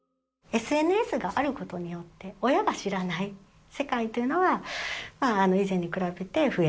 ＳＮＳがあることによって親が知らない世界というのは以前に比べて増えたのかもしれないなと。